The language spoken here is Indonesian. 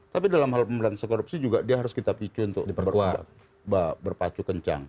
tapi dalam hal pemberantasan korupsi juga dia harus kita picu untuk berpacu kencang